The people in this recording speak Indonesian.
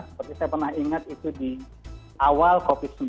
seperti saya pernah ingat itu di awal covid sembilan belas